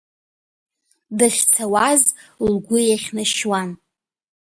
Дахьцауаз лгәы еихьнашьуан…